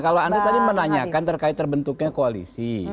kalau anda tadi menanyakan terkait terbentuknya koalisi